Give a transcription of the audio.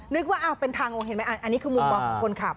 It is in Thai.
นึกว่าเป็นทางลงเห็นไหมอันนี้คือมุมมองของคนขับ